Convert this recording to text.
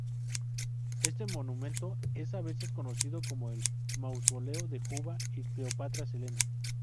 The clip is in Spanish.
Este monumento es a veces conocido como el "Mausoleo de Juba y Cleopatra Selene".